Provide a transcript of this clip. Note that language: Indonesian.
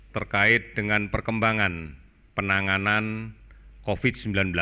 terkait dengan perkembangan penanganan covid sembilan belas